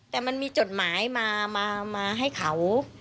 แต่มันมีจดหมายมาให้เขา